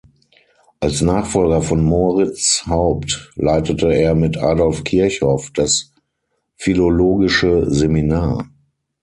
Als Nachfolger von Moriz Haupt leitete er mit Adolf Kirchhoff das Philologische Seminar.